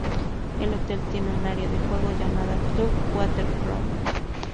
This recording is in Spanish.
El hotel tiene un área de juego llamado Club Waterfront.